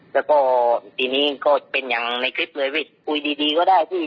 แล้วก็ทีนี้ก็เป็นอย่างในคลิปเลยไปคุยดีก็ได้พี่